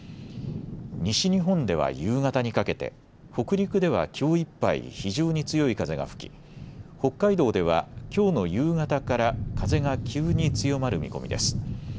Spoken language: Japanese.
西日本では夕方にかけて、北陸ではきょういっぱい非常に強い風が吹き北海道ではきょうの夕方から風が急に強まる見込みです。